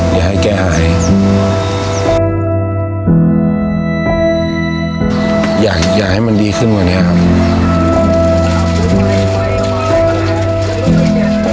อยากให้แกหายอยากให้มันดีขึ้นกว่านี้ครับ